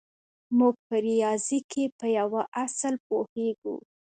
موږ په ریاضي کې په یوه اصل پوهېږو